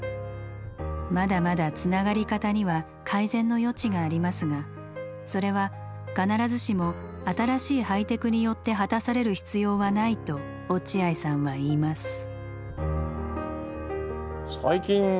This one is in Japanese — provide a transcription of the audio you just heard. まだまだ「つながり方」には改善の余地がありますがそれは必ずしも新しいハイテクによって果たされる必要はないと落合さんはいいます。